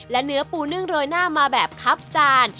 และเนื้อปูนึ่งโรยหน้ามาแบบครับจาน